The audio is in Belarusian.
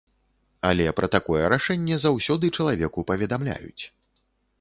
Але пра такое рашэнне заўсёды чалавеку паведамляюць.